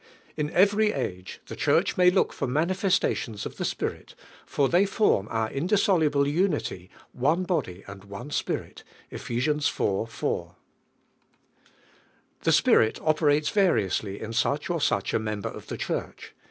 In every age the Church may look for manifestations of (fie Spirit, for.they form our indissoluble unity; "one Body ami one Spirit" (Eph. It. 4). " OITINii mir Tta yg The Spirit operates variously in such or such a member of the Church.